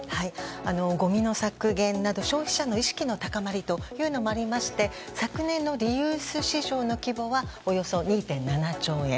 ごみの削減など、消費者の意識の高まりというのもありまして昨年のリユース市場の規模はおよそ２．７兆円。